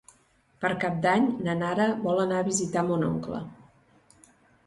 Per Cap d'Any na Nara vol anar a visitar mon oncle.